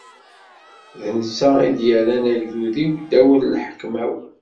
D netta i d-irran agdud-iw ddaw n lḥekma-w.